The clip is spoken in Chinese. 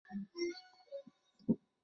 王柏心人。